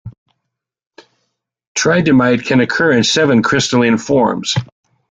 Tridymite can occur in seven crystalline forms.